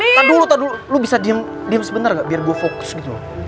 taduluh taduluh lu bisa diem sebentar gak biar gue fokus gitu